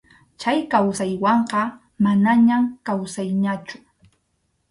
Chay kawsaywanqa manañam kawsayñachu.